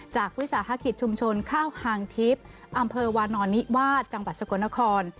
วิสาหกิจชุมชนข้าวหางทิพย์อำเภอวานอนนิวาสจังหวัดสกลนคร